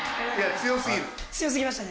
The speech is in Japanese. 強過ぎましたね。